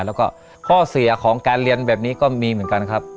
แล้วก็ข้อเสียของการเรียนแบบนี้ก็มีเหมือนกันครับ